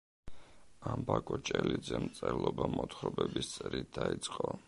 ამბაკო ჭელიძემ მწერლობა მოთხრობების წერით დაიწყო.